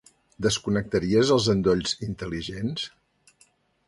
Desconnectaries els endolls intel·ligents?